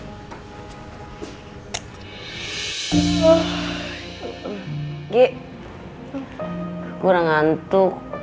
gue gak ngantuk